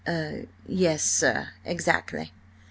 "Er–yes, sir, exactly!